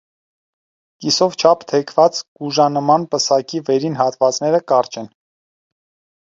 Կիսով չափ թեքված կուժանման պսակի վերին հատվածները կարճ են։